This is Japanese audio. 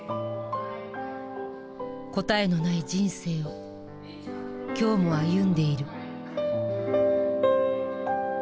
答えのない人生を今日も歩んでいる。